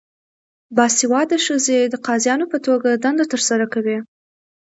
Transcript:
باسواده ښځې د قاضیانو په توګه دنده ترسره کوي.